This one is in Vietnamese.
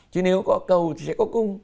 chứ nếu có cầu thì sẽ có cung